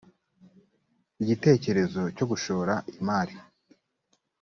igitekerezo cyo gushora imari